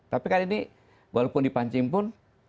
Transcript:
tapi kan ini walaupun dipancing pun